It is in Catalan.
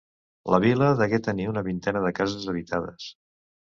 La vila degué tenir una vintena de cases habitades.